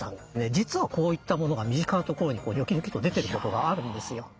実はこういったものが身近なところにニョキニョキと出てることがあるんですよ。